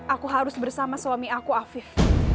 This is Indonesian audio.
aku harus bersama suami aku afif